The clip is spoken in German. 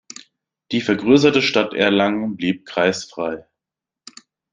Die vergrößerte Stadt Erlangen blieb kreisfrei.